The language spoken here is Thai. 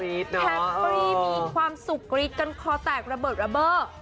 แฮปปี้มีความสุขกรี๊ดกันคอแตกระเบิดระเบิด